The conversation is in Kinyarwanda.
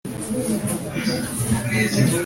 nizere ko tom yumva nawe nkuko ubibona